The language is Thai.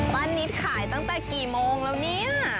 นิดขายตั้งแต่กี่โมงแล้วเนี่ย